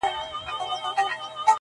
خو د عقل څښتن کړی یې انسان دی.!.!